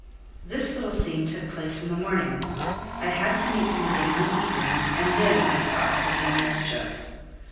This little scene took place in the morning; I had to meet him again in the evening, and then I saw I had done mischief.